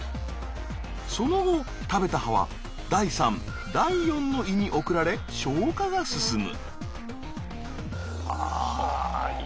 その後食べた葉は第三第四の胃に送られ消化が進む。